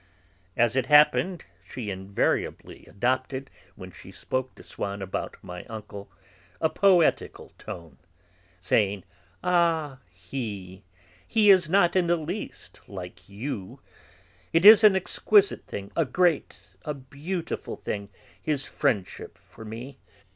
As it happened, she invariably adopted, when she spoke to Swann about my uncle, a poetical tone, saying: "Ah, he! He is not in the least like you; it is an exquisite thing, a great, a beautiful thing, his friendship for me.